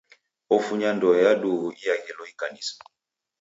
Ofunya ndoe ya duhu iaghilo ikanisa.